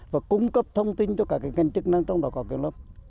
và cung cấp thông tin cho các ngành chức năng trong đó có kiểm lâm